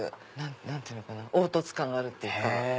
何て言うのかな凹凸感があるっていうか。